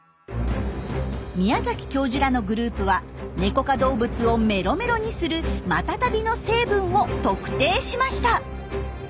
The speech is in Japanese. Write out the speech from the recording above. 宮崎教授らのグループはネコ科動物をメロメロにするマタタビの成分を特定しました。